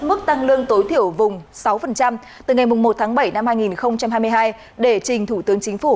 mức tăng lương tối thiểu vùng sáu từ ngày một tháng bảy năm hai nghìn hai mươi hai để trình thủ tướng chính phủ